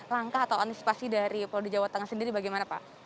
langkah atau antisipasi dari polda jawa tengah sendiri bagaimana pak